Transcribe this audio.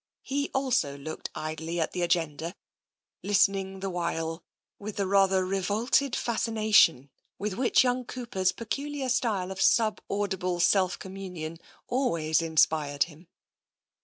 He also looked idly at the agenda, listening the while with the rather revolted fascination with which young Cooper's peculiar style of sub audible self communion always inspired him.